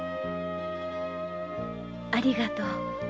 ありがとう。